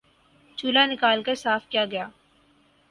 چولہا نکال کر صاف کیا گیا